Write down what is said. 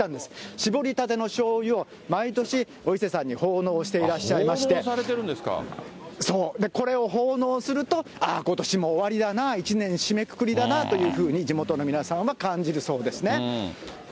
搾りたてのしょうゆを毎年お伊勢さんに奉納していらっしゃいまして、これを奉納すると、ああ、ことしも終わりだな、１年締めくくりだなというふうに地元の皆さんは感じるそうですね。